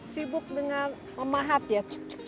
sibuk dengan memahat ya